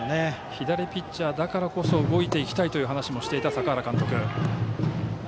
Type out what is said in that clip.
左ピッチャーだからこそ動いていきたいという話もした坂原監督。